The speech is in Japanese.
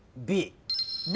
Ｂ。